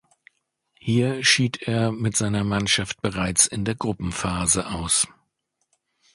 Hier schied er mit seiner Mannschaft bereits in der Gruppenphase aus.